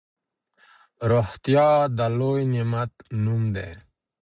روغتيا د لوی نعمت نوم دی.